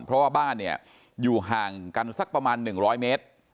เพราะว่าบ้านเนี่ยอยู่ห่างกันสักประมาณ๑๐๐เมตร